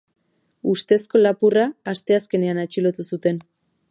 Ustezko lapurra asteazkenean atxilotu zuten.